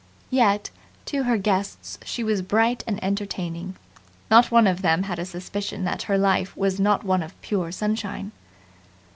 Yet, to her guests she was bright and entertaining. Not one of them had a suspicion that her life was not one of pure sunshine.